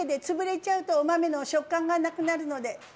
つぶれちゃうとお豆の食感がなくなるので。